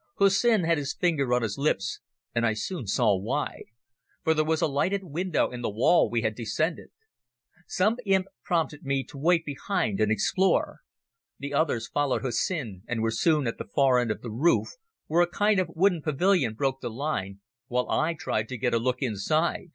Hussin had his finger on his lips, and I soon saw why. For there was a lighted window in the wall we had descended. Some imp prompted me to wait behind and explore. The others followed Hussin and were soon at the far end of the roof, where a kind of wooden pavilion broke the line, while I tried to get a look inside.